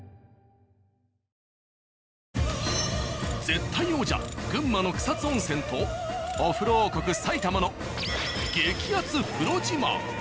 絶対王者群馬の草津温泉とお風呂王国埼玉の。